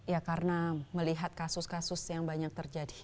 ya karena melihat kasus kasus yang banyak terjadi